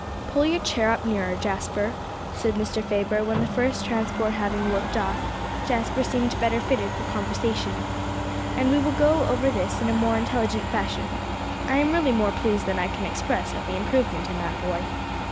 "Pull your chair up nearer, Jasper," said Mr. Faber, when, the first transport having worked off, Jasper seemed better fitted for conversation, "and we will go over this in a more intelligent fashion. I am really more pleased than I can express at the improvement in that boy.